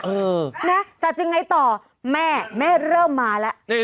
เออนะจัดยังไงต่อแม่แม่เริ่มมาแล้ว